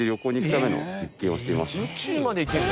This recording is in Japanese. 宇宙まで行けるの？